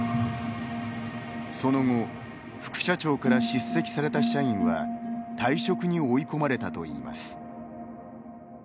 その後副社長から叱責された社員は退職に追い込まれたといいます。